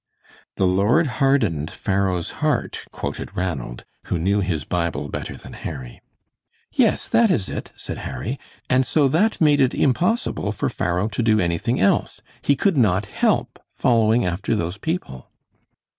"The Lord hardened Pharaoh's heart," quoted Ranald, who knew his Bible better than Harry. "Yes, that is it," said Harry, "and so that made it impossible for Pharaoh to do anything else. He could not help following after those people."